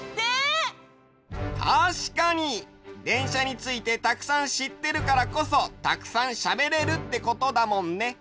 たしかにでんしゃについてたくさんしってるからこそたくさんしゃべれるってことだもんね。